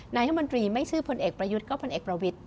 รัฐมนตรีไม่ชื่อพลเอกประยุทธ์ก็พลเอกประวิทธิ